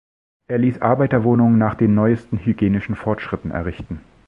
Er ließ Arbeiterwohnungen nach den neuesten hygienischen Fortschritten errichten.